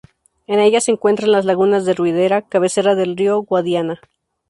En ella se encuentran las Lagunas de Ruidera, cabecera del río Guadiana.